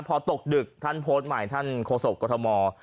พอตกดึกท่านโพสต์ใหม่ท่านโฆษกรทม